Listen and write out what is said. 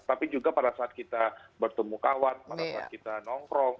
tapi juga pada saat kita bertemu kawan pada saat kita nongkrong